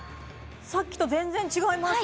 さっきと全然違います